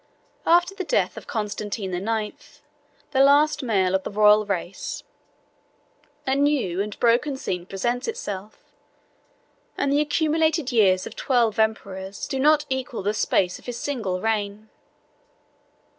After the death of Constantine the Ninth, the last male of the royal race, a new and broken scene presents itself, and the accumulated years of twelve emperors do not equal the space of his single reign.